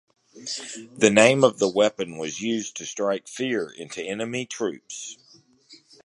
The name of the weapon was used to strike fear into enemy troops.